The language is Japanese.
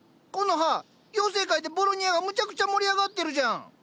コノハ妖精界でボロニアがむちゃくちゃ盛り上がってるじゃん。